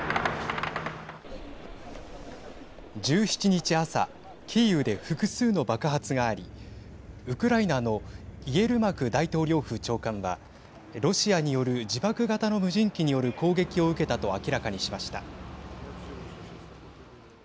１７日朝キーウで複数の爆発がありウクライナのイエルマク大統領府長官はロシアによる自爆型の無人機による攻撃を受けたと明らかにしました。